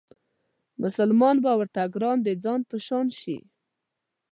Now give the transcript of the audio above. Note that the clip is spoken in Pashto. مسلمان به ورته ګران د ځان په شان شي